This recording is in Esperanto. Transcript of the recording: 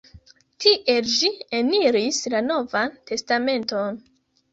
Tiel ĝi eniris la Novan Testamenton.